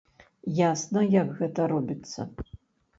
Ясна, як гэта робіцца.